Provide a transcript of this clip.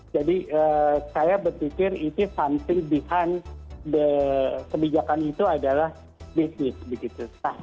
jadi saya berpikir itu something behind kebijakan itu adalah business begitu